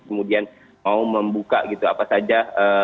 kemudian mau membuka gitu apa saja